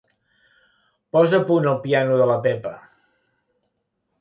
Posa a punt el piano de la Pepa.